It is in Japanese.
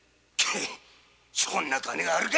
そんな金があるかい。